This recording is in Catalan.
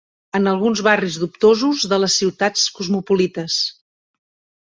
...en alguns barris dubtosos de les ciutats cosmopolites.